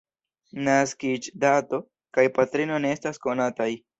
Naskiĝdato kaj patrino ne estas konataj.